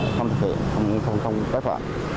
không thực hiện không trách phạt